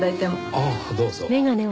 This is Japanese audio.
ああどうぞ。